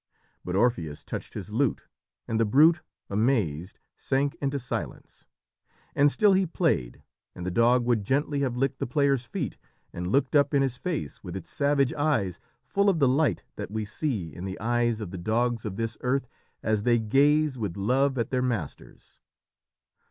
But Orpheus touched his lute, and the brute, amazed, sank into silence. And still he played, and the dog would gently have licked the player's feet, and looked up in his face with its savage eyes full of the light that we see in the eyes of the dogs of this earth as they gaze with love at their masters.